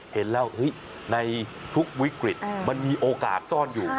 เห็นแล้วในทุกวิกฤตมันมีโอกาสซ่อนอยู่